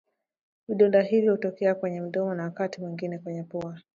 Vidonda hivyo hutokea kwenye mdomo na wakati mwingine kwenye pua